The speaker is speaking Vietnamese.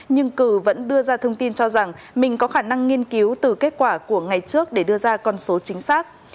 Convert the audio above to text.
nhưng cử vẫn đưa ra thông tin cho rằng mình có khả năng nghiên cứu từ kết quả của ngày trước để đưa ra con số chính xác